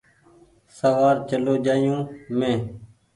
سوآر چلو جآيو مينٚ